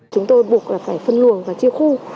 chúng tôi buộc là phải phân luồng và chia khung